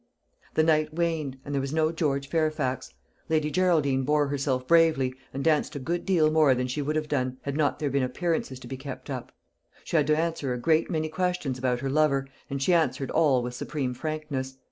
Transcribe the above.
The night waned, and there was no George Fairfax. Lady Geraldine bore herself bravely, and danced a good deal more than she would have done, had there not been appearances to be kept up. She had to answer a great many questions about her lover, and she answered all with supreme frankness.